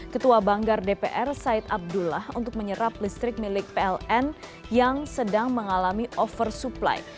ketua banggar dpr said abdullah untuk menyerap listrik milik pln yang sedang mengalami oversupply